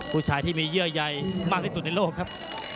ผู้ชายที่มีเยื่อใยมากที่สุดในโลกครับ